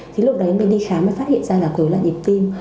thì lúc đấy mình đi khám mới phát hiện ra là dối loạn nhịp tim